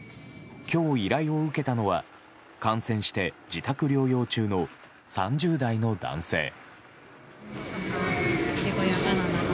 今日、依頼を受けたのは感染して自宅療養中の３０代の男性。